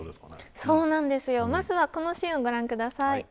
まずはこのシーンをご覧ください。